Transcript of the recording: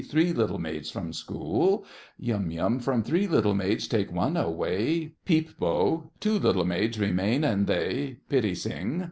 Three little maids from school! YUM YUM. From three little maids take one away. PEEP BO. Two little maids remain, and they— PITTI SING.